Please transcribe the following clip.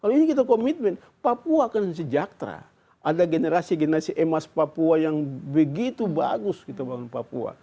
kalau ini kita komitmen papua akan sejahtera ada generasi generasi emas papua yang begitu bagus kita bangun papua